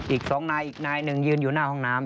อีก๒นายอีกนายหนึ่งยืนอยู่หน้าห้องน้ำ